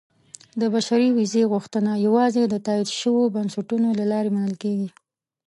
• د بشري ویزې غوښتنه یوازې د تایید شویو بنسټونو له لارې منل کېږي.